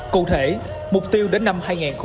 cụ thể mục tiêu đến năm hai nghìn hai mươi năm